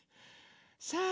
さあ